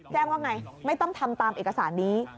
แจ้งว่าไงไม่ต้องทำตามเอกสารนี้